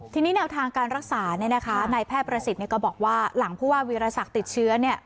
ทีนี้แนวทางการรักษาเนี่ยนะคะนายแพทย์ประสิทธิ์ก็บอกว่าหลังผู้ว่าวิรสักติดเชื้อเนี่ย